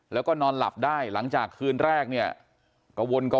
ซึ่งแต่ละคนตอนนี้ก็ยังให้การแตกต่างกันอยู่เลยว่าวันนั้นมันเกิดอะไรขึ้นบ้างนะครับ